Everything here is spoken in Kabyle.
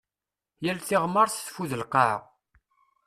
Yal tiɣmert teffud lqaɛa.